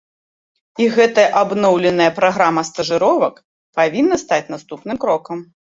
І гэтая абноўленая праграма стажыровак павінна стаць наступным крокам.